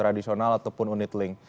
tradisional ataupun unit link